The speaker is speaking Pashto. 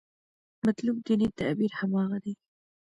مطلوب دیني تعبیر هماغه دی.